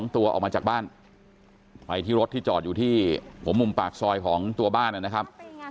ตัวออกมาจากบ้านไปที่รถที่จอดอยู่ที่หัวมุมปากซอยของตัวบ้านนะครับ